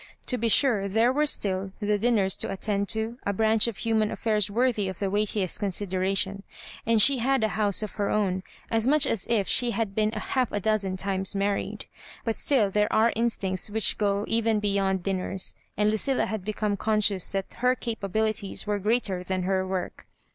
To be sure, there were still the dinners to attend to, a branch of human affairs worthy of the weightiest consideration, and she had a house of her own, as much as if she had been half a dozen times married ; but still there are instincts which go even beyond dinners, and Lucilla had become conscious that her capabilities were greater than her work.